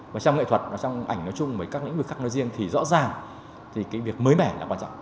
và trong nghệ thuật và trong ảnh nói chung với các lĩnh vực khác nói riêng thì rõ ràng thì cái việc mới mẻ là quan trọng